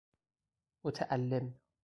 متعلم